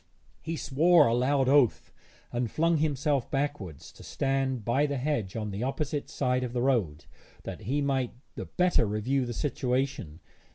He swore a loud oath, and flung himself backwards to stand by the hedge on the opposite side of the road, that he might the better review the situation.